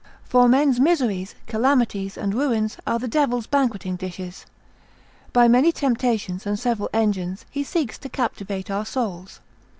For men's miseries, calamities, and ruins are the devil's banqueting dishes. By many temptations and several engines, he seeks to captivate our souls.